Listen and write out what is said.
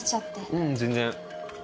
ううん全然。